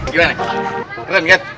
gimana keren kan